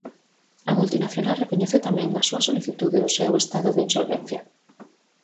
A multinacional recoñece tamén na súa solicitude o seu "estado de insolvencia".